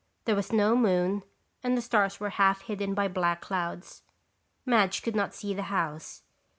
There was no moon and the stars were half hidden by black clouds. Madge could not see the house.